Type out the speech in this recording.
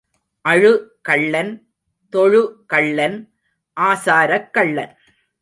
அழு கள்ளன், தொழு கள்ளன், ஆசாரக் கள்ளன்.